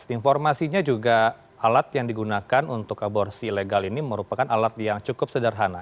informasinya juga alat yang digunakan untuk aborsi ilegal ini merupakan alat yang cukup sederhana